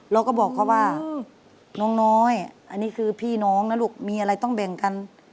เราก็บอกเขาว่าน้องน้อยอันนี้คือพี่น้องนะลูกมีอะไรต้องแบ่งกัน